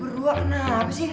beruah kenapa sih